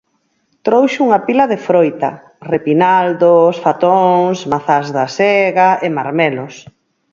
Trouxo unha pila de froita: repinaldos, fatóns, mazás da sega e marmelos.